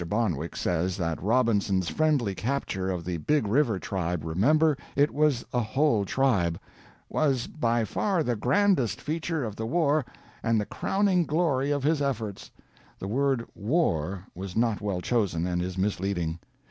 Bonwick says that Robinson's friendly capture of the Big River tribe remember, it was a whole tribe "was by far the grandest feature of the war, and the crowning glory of his efforts." The word "war" was not well chosen, and is misleading.